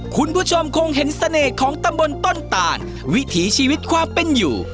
คุณผู้ชมคงเห็นเสน่ห์ของตำบลต้นตานวิถีชีวิตความเป็นอยู่